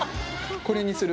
これにする？